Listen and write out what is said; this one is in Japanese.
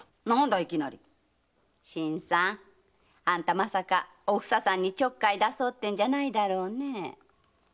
何だいいきなり新さんあんたまさかおふささんにちょっかい出そうってんじゃないだろうね？